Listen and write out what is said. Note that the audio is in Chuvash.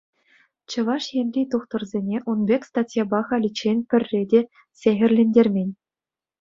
Чӑваш Енри тухтӑрсене ун пек статьяпа халиччен пӗрре те сехӗрлентермен.